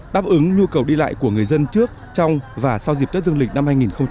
đáp ứng nhu cầu đi lại của người dân trước trong và sau dịp tết dương lịch năm hai nghìn hai mươi